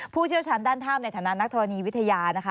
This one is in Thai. ผู้เชี่ยวชั้นด้านท่ามในฐานะนักธรรมนีวิทยานะคะ